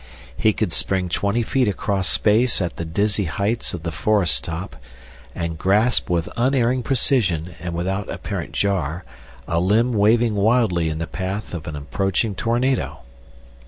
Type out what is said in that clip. He could spring twenty feet across space at the dizzy heights of the forest top, and grasp with unerring precision, and without apparent jar, a limb waving wildly in the path of an approaching tornado.